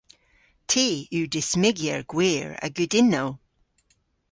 Ty yw dismygyer gwir a gudynnow.